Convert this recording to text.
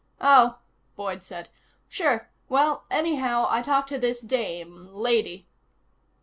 "Oh," Boyd said. "Sure. Well, anyhow, I talked to this dame. Lady."